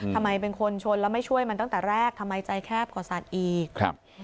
ทำไมเป็นคนชนแล้วไม่ช่วยมันตั้งแต่แรกทำไมใจแคบกว่าสัตว์อีกครับ